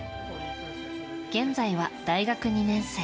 現在は大学２年生。